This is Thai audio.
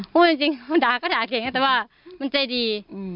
คุณผู้จริงด่าก็ด่าแข็งแต่ว่ามันใจดี